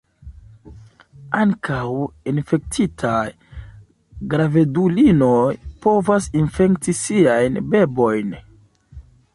Ankaŭ infektitaj gravedulinoj povas infekti siajn bebojn.